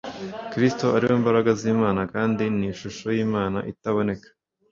Kristo ari we mbaraga z Imana kandi ni shusho yimana itaboneka